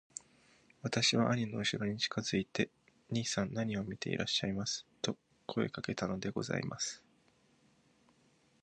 私は兄のうしろに近づいて『兄さん何を見ていらっしゃいます』と声をかけたのでございます。